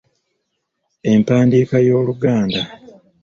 Empandiika y’Oluganda.